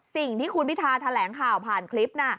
สิ่งที่คุณพิธาแถลงข่าวผ่านคลิปน่ะ